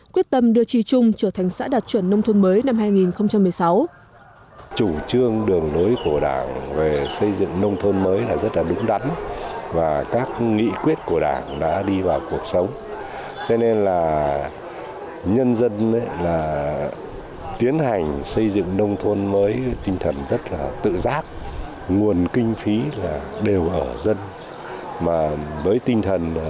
quyết tâm đưa trì trung trở thành xã đạt chuẩn nông thuần mới năm hai nghìn một mươi sáu